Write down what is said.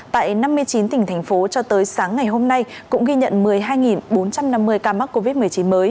tại năm mươi chín tỉnh thành phố cho tới sáng ngày hôm nay cũng ghi nhận một mươi hai bốn trăm năm mươi ca mắc covid một mươi chín mới